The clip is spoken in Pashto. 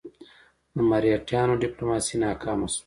د مرهټیانو ډیپلوماسي ناکامه شوه.